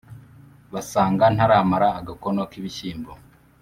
basanga ntaramara agakono k’ibishyimbo,